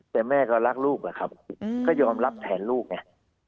แต่แม่ก็รักลูกอะครับก็ยอมรับแทนลูกไง